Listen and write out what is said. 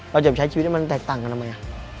เราจะใช้ชีวิตมันแตกต่างกันทำไม